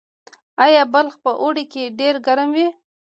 آیا بلخ په اوړي کې ډیر ګرم وي؟